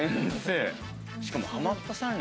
しかもハマったさん